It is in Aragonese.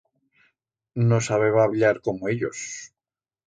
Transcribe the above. No sabeba habllar como ellos.